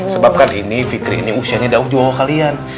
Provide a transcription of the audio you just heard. sebabkan ini fikri usianya dah ujung awal kalian